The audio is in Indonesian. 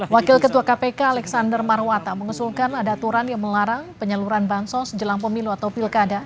wakil ketua kpk alexander marwata mengusulkan ada aturan yang melarang penyaluran bansos jelang pemilu atau pilkada